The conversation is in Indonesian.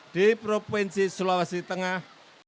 di provinsi sulawesi tengah